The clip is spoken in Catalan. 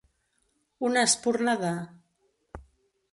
Una espurna de.